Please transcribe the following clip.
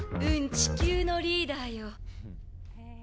地球のリーダーよ。